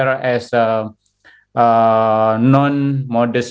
pakaian yang tidak modis